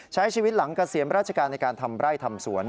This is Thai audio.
ใช้ชีวิตหลังเกษียณราชการในการทำไร่ทำสวน